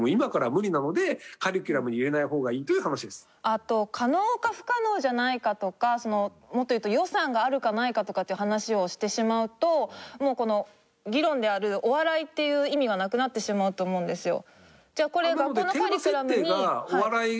あと可能か不可能じゃないかとかそのもっと言うと予算があるかないかとかっていう話をしてしまうともうこの議論であるお笑いっていう意味がなくなってしまうと思うんですよ。